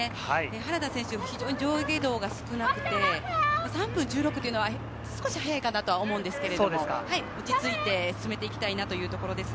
原田選手、非常に上下動が少なくて、３分１６秒というのは少し速いかなと思うんですけれど、落ち着いて進めていきたいなというところです。